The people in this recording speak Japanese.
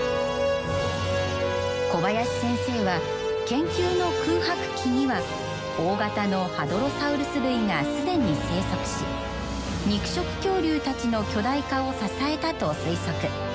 小林先生は研究の空白期には大型のハドロサウルス類が既に生息し肉食恐竜たちの巨大化を支えたと推測。